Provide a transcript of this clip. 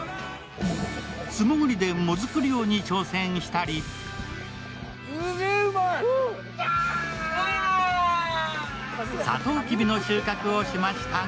素もぐりでもずく漁に挑戦したりさとうきびの収穫をしましたが